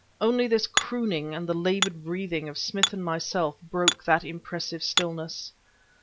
Only this crooning, and the labored breathing of Smith and myself, broke that impressive stillness.